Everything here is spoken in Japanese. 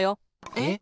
えっ？